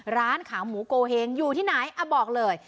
ร้านขาหมูโกเฮงอยู่ที่ไหนบอกเลย